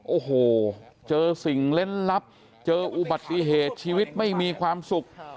โอ้โหเจอสิ่งเล่นลับเจออุบัติเหตุชีวิตไม่มีความสุข